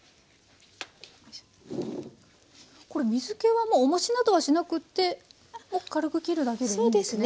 これ水けはもうおもしなどはしなくっても軽くきるだけでいいんですね？